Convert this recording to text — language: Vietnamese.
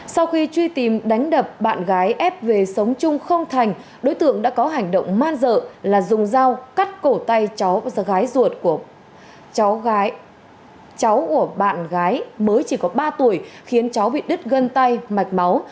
sau khi truy tìm đánh đập bạn gái ép về sống chung không thành đối tượng đã có hành động man dợ là dùng dao cắt cổ tay cháu và gái ruột của cháu của bạn gái mới chỉ có ba tuổi khiến cháu bị đứt gân tay mạch máu